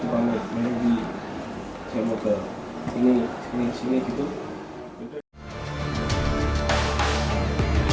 paling sebenarnya awal aja waktu pameran